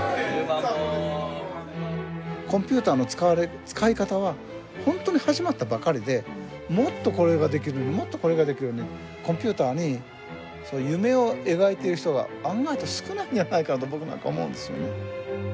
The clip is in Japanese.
コンピューターの使われ使い方は本当に始まったばかりでもっとこれができるようにもっとこれができるようにコンピューターにそういう夢を描いている人が案外と少ないんじゃないかと僕なんか思うんですよね。